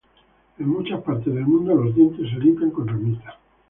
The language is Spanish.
En muchas partes del mundo los dientes se limpian con ramitas.